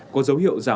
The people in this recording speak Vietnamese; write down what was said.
có dấu hiệu giả mạo